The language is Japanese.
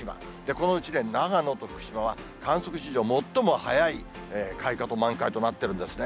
このうちね、長野と福島は、観測史上最も早い開花と満開となっているんですね。